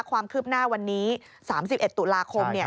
ความคืบหน้าวันนี้๓๑ตุลาคม